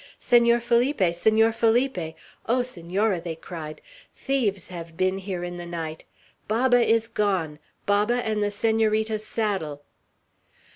"Senor Felipe! Senor Felipe! Oh, Senora!" they cried. "Thieves have been here in the night! Baba is gone, Baba, and the Senorita's saddle."